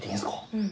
うん。